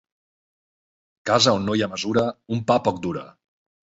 Casa on no hi ha mesura un pa poc dura.